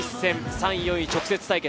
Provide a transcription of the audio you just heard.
３位４位直接対決。